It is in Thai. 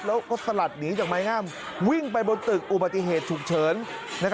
แล้วก็สลัดหนีจากไม้งามวิ่งไปบนตึกอุบัติเหตุฉุกเฉิน